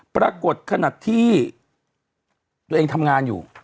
ปรากฏขนาดที่ตัวเองทำงานอยู่